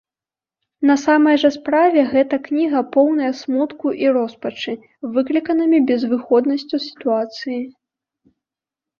На самай жа справе гэта кніга поўная смутку і роспачы, выкліканымі безвыходнасцю сітуацыі.